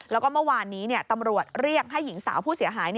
แล้วก็เมื่อวานนี้ตำรวจเรียกให้หญิงสาวผู้เสียหาย